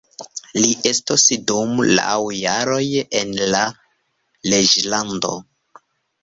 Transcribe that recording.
Li estos dum naŭ jaroj en la reĝlando.